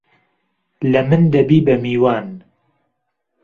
له من دهبی به میوان